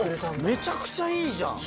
めちゃくちゃいいじゃん！